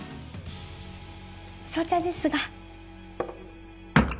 粗茶ですが。